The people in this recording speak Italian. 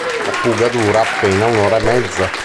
La fuga dura appena un'ora e mezza.